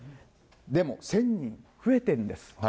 でも１０００人増えてるんです。